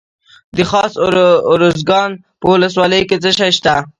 د خاص ارزګان په ولسوالۍ کې څه شی شته؟